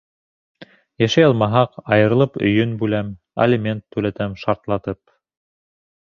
Йәшәй алмаһаҡ, айырылып өйөн бүләм, алимент түләтәм шартлатып.